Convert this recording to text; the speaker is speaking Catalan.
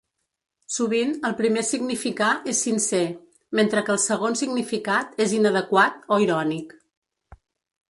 Sovint el primer significar és sincer, mentre que el segon significat és inadequat, o irònic.